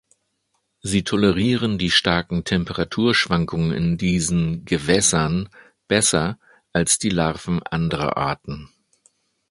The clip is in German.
Sie tolerieren die starken Temperaturschwankungen in diesen „Gewässern“ besser als die Larven anderer Arten.